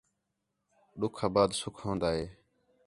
ݙُُِکھ آ بعد سُکھ ہون٘دا ہے